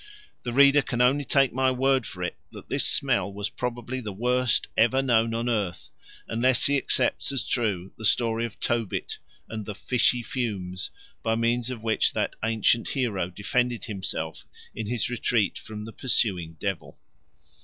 The reader can only take my word for it that this smell was probably the worst ever known on the earth, unless he accepts as true the story of Tobit and the "fishy fumes" by means of which that ancient hero defended himself in his retreat from the pursuing devil.